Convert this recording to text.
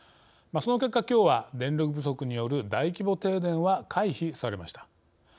その結果きょうは電力不足による大規模停電は回避されました。